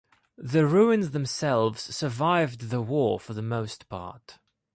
The ruins themselves survived the war for the most part.